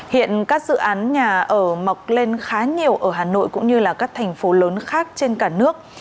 hiện các dự án nhà ở mọc lên khá nhiều ở hà nội cũng như là các thành phố lớn khác trên cả nước